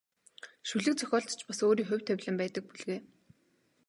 Шүлэг зохиолд ч бас өөрийн хувь тавилан байдаг бүлгээ.